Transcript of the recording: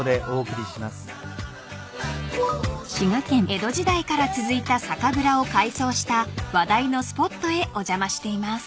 ［江戸時代から続いた酒蔵を改装した話題のスポットへお邪魔しています］